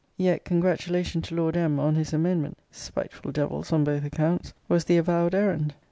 Yet congratulation to Lord M. on his amendment, [spiteful devils on both accounts!] was the avowed errand.